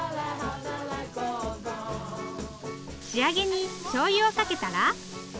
仕上げにしょうゆをかけたら。